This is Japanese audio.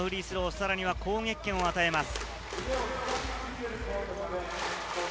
さらには攻撃権も与えます。